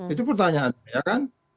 itu pertanyaan ya kan